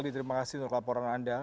terima kasih untuk laporan anda